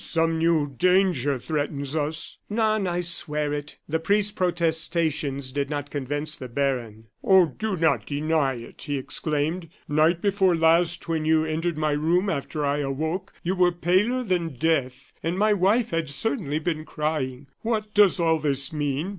"Some new danger threatens us." "None, I swear it." The priest's protestations did not convince the baron. "Oh, do not deny it!" he exclaimed. "Night before last, when you entered my room after I awoke, you were paler than death, and my wife had certainly been crying. What does all this mean?"